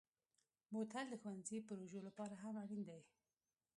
بوتل د ښوونځي پروژو لپاره هم اړین دی.